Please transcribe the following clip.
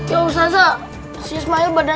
yaudah yuk bawa bawa